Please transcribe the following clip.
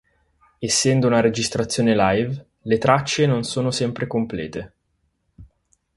Essendo una registrazione live le tracce non sono sempre complete.